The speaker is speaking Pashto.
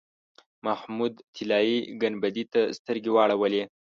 محمود طلایي ګنبدې ته سترګې واړولې.